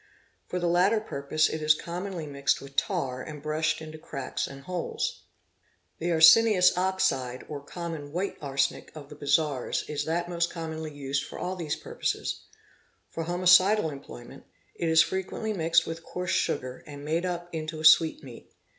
For the latter purpose it is commonly mixed with tar and brushed into cracks and holes. The arsenious oxide or common white arsenic of the bazaars is that most commonly used for : ll these purposes—for homicidal employment, it is frequently mixed with coarse sugar and made up into a sweetmeat.